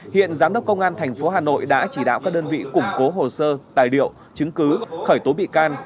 hiện giám đốc công an tp hà nội đã chỉ đạo các đơn vị củng cố hồ sơ tài liệu chứng cứ khởi tố bị can